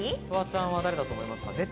フワちゃんは誰だと思いますか？